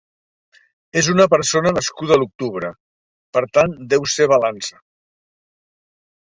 Es uma persona nascuda l'octubre, per tant deu ser Balança.